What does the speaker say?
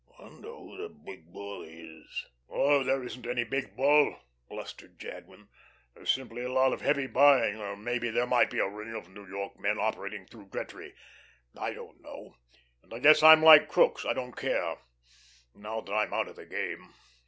Wonder who the Big Bull is." "Oh, there isn't any Big Bull," blustered Jadwin. "There's simply a lot of heavy buying, or maybe there might be a ring of New York men operating through Gretry. I don't know; and I guess I'm like Crookes, I don't care now that I'm out of the game.